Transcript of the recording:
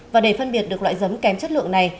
và để phân biệt được loại giống kém chất lượng này